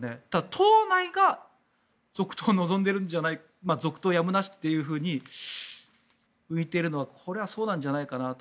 党内が続投を望んでいるんじゃない続投やむなしって動いているのはこれはそうなんじゃないかなと。